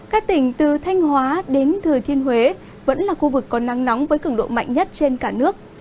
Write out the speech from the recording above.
các tỉnh từ thanh hóa đến thừa thiên huế vẫn là khu vực có nắng nóng với cứng độ mạnh nhất trên cả nước